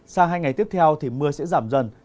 sang hai ngày tiếp theo thì mưa sẽ giảm dần